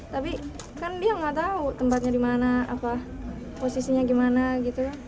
tapi kan dia nggak tahu tempatnya di mana posisinya gimana gitu